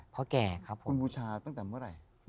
พ่อแก่คุณบูชาตั้งแต่เมื่อไรครับ